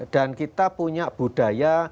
dan kita punya budaya